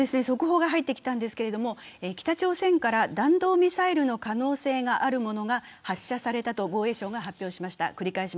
速報が入ってきたんですけど、北朝鮮から弾道ミサイルの可能性のあるものが発射されたと防衛省が発表しました。